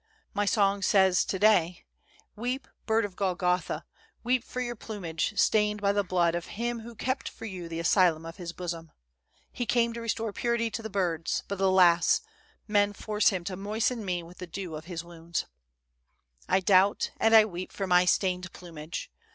"'My song says to day: Weep, bird of Golgotha, weep for your plumage stained by the blood of him who kept for you the asylum of his bosom. He came to restore purity to the birds, but, alas ! men force him to moisten me with the dew of his wounds. "' I doubt, and I weep for my stained plumage.